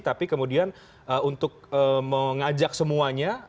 tapi kemudian untuk mengajak semuanya